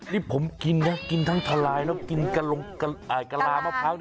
นี่ผมกินนะกินทั้งทะลายแล้วกินกะลามะพร้าว